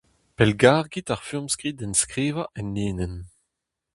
Pellgargit ar furmskrid enskrivañ enlinenn.